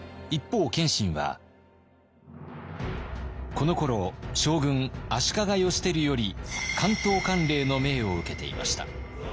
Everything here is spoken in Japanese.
このころ将軍足利義輝より関東管領の命を受けていました。